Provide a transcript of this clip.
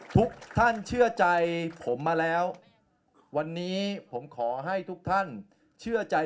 ทุกท่านเชื่อใจผมมาแล้ววันนี้ผมขอให้ทุกท่านเชื่อใจ